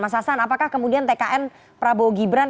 mas hasan apakah kemudian tkn prabowo gibran